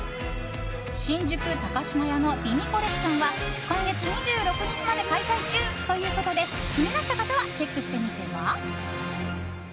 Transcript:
新宿高島屋の美味コレクションは今月２６日まで開催中ということで気になった方はチェックしてみては？